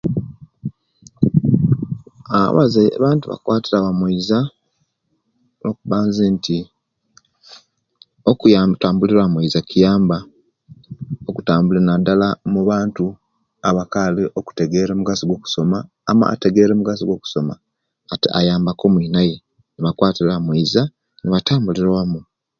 Aah abazai abantu bakwatira wamoiza lwokuba nzenti okuya okutambulira owamoiza kiyamba okutambula nadala mubantu abakaali okutegera omugaso gwo'kusoma ategeire omugaso gwo'kusoma ati ayamba ku omwinaye nebakwatira wamoiza nebatambulira owamu